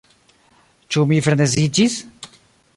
Ĉu mi freneziĝis?